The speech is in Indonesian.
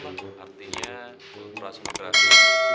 cekatan mak artinya kulturasi migrasi